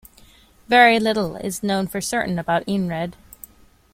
Very little is known for certain about Eanred.